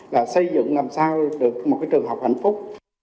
là xây dựng làm sao được một cái trường học hạnh phúc